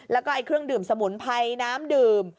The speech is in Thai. แล้วก็เครื่องดื่มสมุนไพรน้ำดื่ม